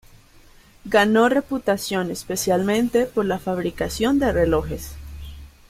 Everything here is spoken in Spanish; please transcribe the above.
Ganó reputación especialmente por la fabricación de relojes.